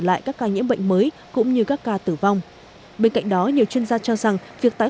lại các ca nhiễm bệnh mới cũng như các ca tử vong bên cạnh đó nhiều chuyên gia cho rằng việc tái